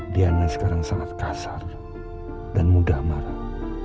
diana sekarang sangat kasar dan mudah marah